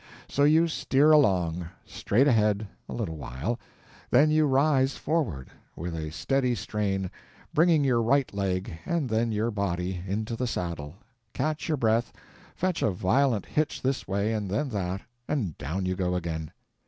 So you steer along, straight ahead, a little while, then you rise forward, with a steady strain, bringing your right leg, and then your body, into the saddle, catch your breath, fetch a violent hitch this way and then that, and down you go again.